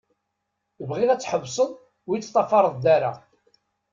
Bɣiɣ ad tḥebseḍ ur yi-d-teṭṭfaṛeḍ ara.